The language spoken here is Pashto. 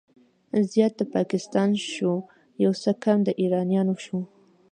زيات د پاکستان شو، يو څه کم د ايرانيانو شو